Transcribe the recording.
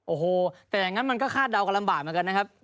โอ้โหแต่อย่างนั้นมันก็คาดเดากันลำบากเหมือนกันนะครับ